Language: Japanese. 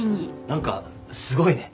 何かすごいね。